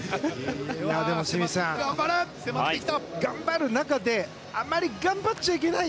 でも、頑張る中であまり頑張っちゃいけない。